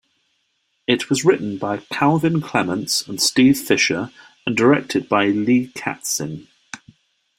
It was written by Calvin Clements and Steve Fisher, and directed by Lee Katzin.